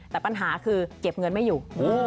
แต่ปัญหาคือเก็บเงินไม่อยู่